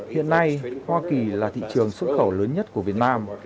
hiện nay hoa kỳ là thị trường xuất khẩu lớn nhất của việt nam